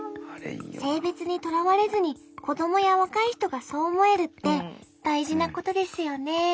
性別にとらわれずに子供や若い人がそう思えるって大事なことですよね。